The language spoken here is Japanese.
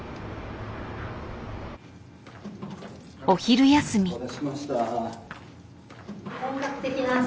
お昼休み。